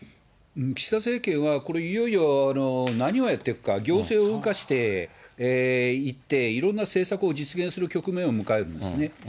岸田政権は、これ、いよいよなにをやっていくか行政を動かしていって、いろんな政策を実現する局面を迎えるんですね。